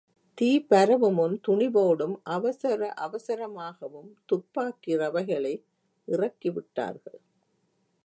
தீ பரவுமுன் துணிவோடும் அவசர அவசரமாகவும் துப்பாக்கிரவைகளை இறக்கிவிட்டார்கள்.